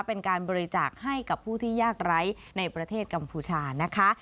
เป็นการบริจาคให้กับผู้ที่ยากไร้ในประเทศกัมพูชานะคะ